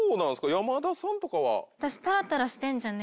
山田さんとかは。